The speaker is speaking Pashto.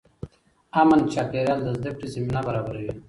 امن چاپېریال د زده کړې زمینه برابروي.